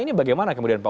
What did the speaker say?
ini bagaimana kemudian pak